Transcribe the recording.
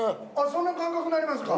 そんな感覚なりますか？